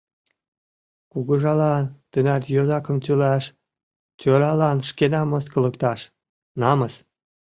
— Кугыжалан тынар йозакым тӱлаш, тӧралан шкенам мыскылыкташ — намыс!